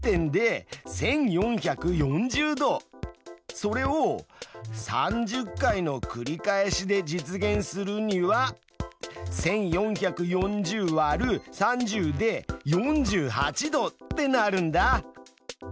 それを３０回のくり返しで実現するには１，４４０÷３０で４８度ってなるんだ。